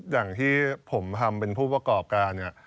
อย่างที่ผมทำเป็นผู้โปรกรอบการ